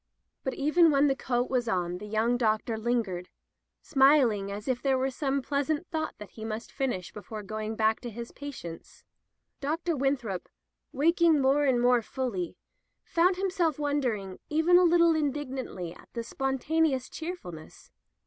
But even when the coat was on the young doctor lingered, smiling as if there were some pleasant thought that he must finish before going back to his patients. Dr. Winthrop, waking more and more fully, found himself wondering — even a little indignantly — at the spontaneous cheerful ness.